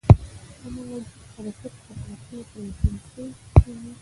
همغږي حرکت په ټاکلې فریکونسي کېږي.